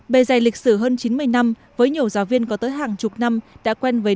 bề dày lịch sử hơn chín mươi năm với nhiều giáo viên có tới hàng chục năm đã quen với